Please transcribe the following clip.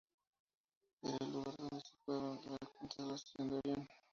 Era el lugar donde situaban la constelación de Orión.